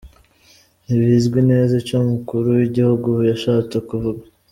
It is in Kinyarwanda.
Ntibizwi neza ico umukuru w'igihugu yashatse kuvuga.